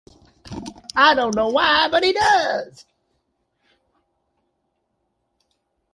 I don't know why, but he does.